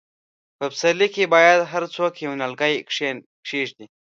په پسرلي کې باید هر څوک یو، یو نیالګی کښېږدي.